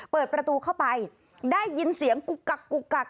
เปิดประตูเข้าไปได้ยินเสียงกุกกักกุกกัก